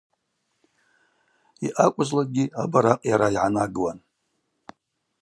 Йъакӏвызлакӏгьи абаракъ йара йгӏанагуан.